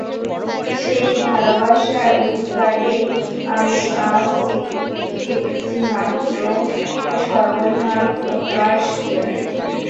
সেই ভালোবাসার অধিকারে আমি আজ একটিমাত্র স্পর্ধা প্রকাশ করিব।